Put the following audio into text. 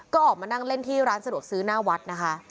ก็ออกมานั่งเล่นที่ร้านสะดวกซื้อหน้าวัดนะคะ